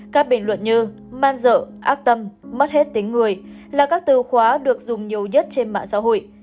các bình luận như man dợc tâm mất hết tính người là các từ khóa được dùng nhiều nhất trên mạng xã hội